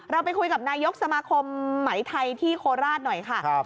เราไปคุยกับนายกสมาคมไหมไทยที่โคราชหน่อยค่ะ